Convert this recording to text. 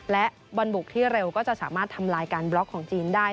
และบอลบุกที่เร็วก็จะสามารถทำลายการบล็อกของจีนได้